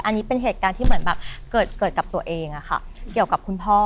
อันนี้เป็นเหตุการณ์ที่เหมือนแบบเกิดกับตัวเองอะค่ะเกี่ยวกับคุณพ่อ